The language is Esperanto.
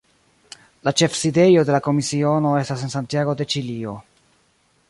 La ĉefsidejo de la komisiono estas en Santiago de Ĉilio.